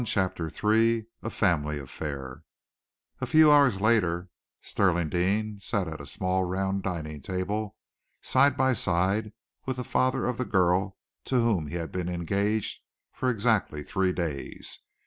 CHAPTER III A FAMILY AFFAIR A few hours later, Stirling Deane sat at a small round dining table, side by side with the father of the girl to whom he had been engaged for exactly three days.